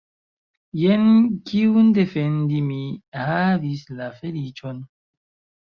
Jen kiun defendi mi havis la feliĉon!